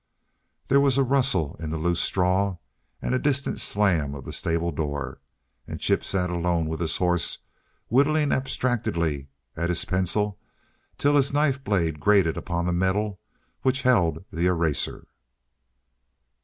There was a rustle in the loose straw, a distant slam of the stable door, and Chip sat alone with his horse, whittling abstractedly at his pencil till his knife blade grated upon the metal which held the eraser.